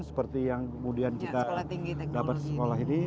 seperti yang kemudian kita